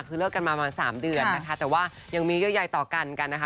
คือเลิกกันมามา๓เดือนนะคะแต่ว่ายังมีเยื่อใยต่อกันกันนะคะ